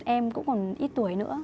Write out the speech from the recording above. em cũng còn ít tuổi nữa